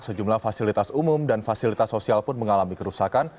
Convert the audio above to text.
sejumlah fasilitas umum dan fasilitas sosial pun mengalami kerusakan